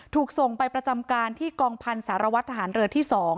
ถูกส่งไปประจำการที่กองพันธ์สารวัตรทหารเรือที่๒